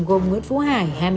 gồm nguyễn phú hải